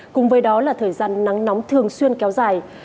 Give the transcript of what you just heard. cùng với đó là thời gian nắng nóng thường xuyên kéo dài